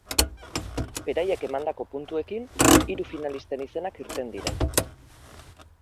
Beraiek emandako puntuekin, hiru finalisten izenak irten dira.